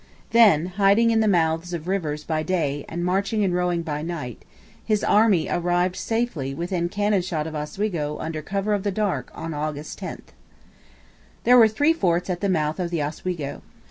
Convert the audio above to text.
Then, hiding in the mouths of rivers by day and marching and rowing by night, his army arrived safely within cannon shot of Oswego under cover of the dark on August 10. There were three forts at the mouth of the Oswego.